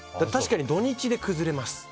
確かに土日で崩れます。